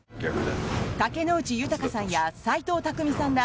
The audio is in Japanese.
竹野内豊さんや斎藤工さんら